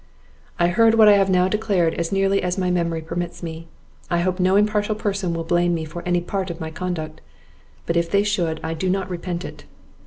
I heard what I have now declared as nearly as my memory permits me. I hope no impartial person will blame me for any part of my conduct; but if they should, I do not repent it.